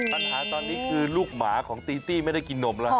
ปัญหาตอนนี้คือลูกหมาของตีตี้ไม่ได้กินนมแล้ว